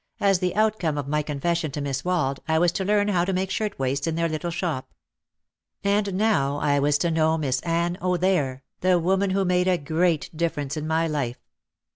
As the outcome of my confession to Miss Wald, I was to learn how to make shirtwaists in their little shop. And now I was to know Miss Ann O'There, the woman who made a great difference in my life.